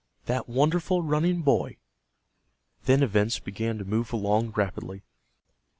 "That wonderful running boy?" Then events began to move along rapidly.